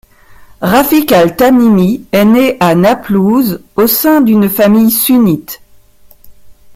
Rafiq al-Tamimi est né à Naplouse, au sein d'une famille sunnite.